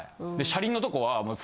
車輪のとこはもう。